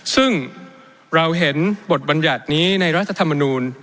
ซึ่งเราเห็นบทบรรยัตินี้ในรัฐธรรมนูล